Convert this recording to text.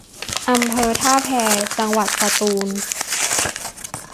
อำเภอท่าแพ จังหวัดสตูล